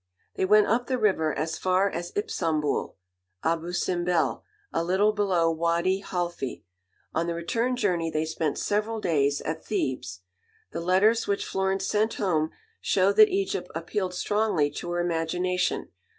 They went up the river as far as Ipsambul (Abu Simbel), a little below Wady Halfy; on the return journey they spent several days at Thebes. The letters which Florence sent home show that Egypt appealed strongly to her imagination.